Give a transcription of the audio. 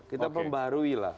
kita pembarui lah